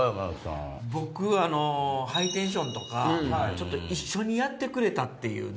僕「ハイテンション」とか一緒にやってくれたっていうね。